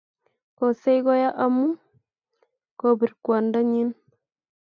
Kosei koya amu kobir kwondonyii